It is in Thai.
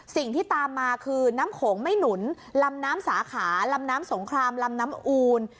สิ่งที่ตามมาคือน้ำโขงไม่หนุนลำน้ำสาขาลำน้ำสงครามลำน้ำอูล